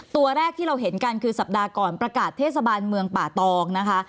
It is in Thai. ตัวแรกที่เราเห็นกันคือสัปดาห์ก่อนประกาศเทศบาลเมืองป่าตองนะคะ